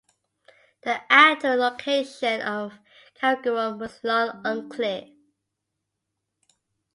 The actual location of Karakorum was long unclear.